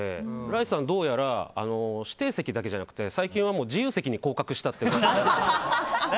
ライスさん、どうやら指定席だけじゃなくて、最近は自由席に降格したって。